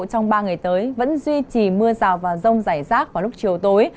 trong ba ngày tới vẫn duy trì mưa rào và rông rải rác vào lúc chiều tối